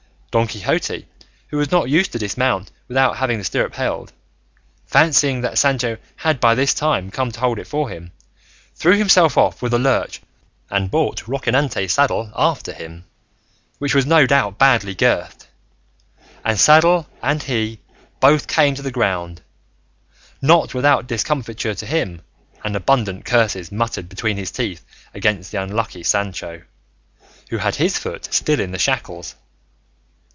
Don Quixote, who was not used to dismount without having the stirrup held, fancying that Sancho had by this time come to hold it for him, threw himself off with a lurch and brought Rocinante's saddle after him, which was no doubt badly girthed, and saddle and he both came to the ground; not without discomfiture to him and abundant curses muttered between his teeth against the unlucky Sancho, who had his foot still in the shackles.